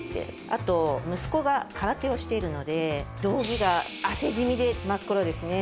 あと息子が空手をしているので道着が汗染みで真っ黒ですね。